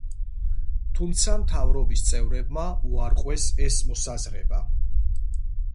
თუმცა მთავრობის წევრებმა უარყვეს ეს მოსაზრება.